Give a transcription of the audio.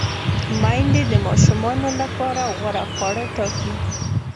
میندې د ماشومانو لپاره غوره خواړه ټاکي۔